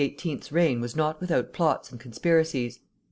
's reign was not without plots and conspiracies.